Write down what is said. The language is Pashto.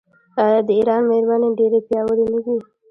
آیا د ایران میرمنې ډیرې پیاوړې نه دي؟